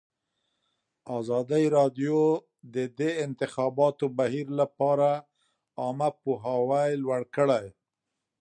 ازادي راډیو د د انتخاباتو بهیر لپاره عامه پوهاوي لوړ کړی.